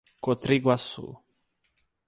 Cotriguaçu